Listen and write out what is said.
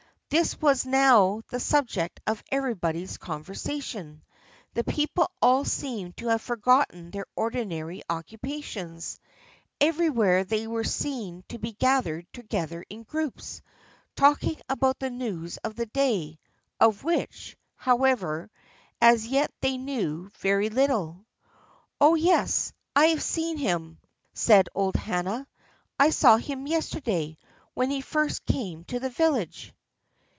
This was now the subject of everybody's conversation. The people all seemed to have forgotten their ordinary occupations; everywhere they were to be seen gathered together in groups, talking about the news of the day, of which, however, as yet they knew very little. "Oh yes, I have seen him," said old Hannah; "I saw him yesterday, when he first came to the village."